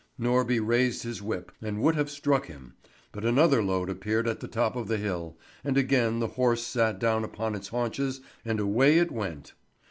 Norby raised his whip and would have struck him, but another load appeared at the top of the hill, and again the horse sat down upon its haunches and away it went.